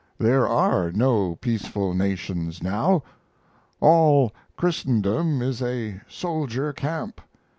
There are no peaceful nations now. All Christendom is a soldier camp.